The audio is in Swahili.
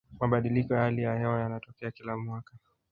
mabadiliko ya hali ya hewa yanatokea kila mwaka